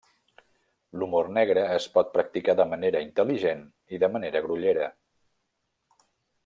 L'humor negre es pot practicar de manera intel·ligent i de manera grollera.